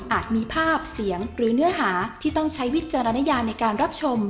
มีภาพเสียงหรือเนื้อหาที่ต้องใช้วิจารณญาในการรับชม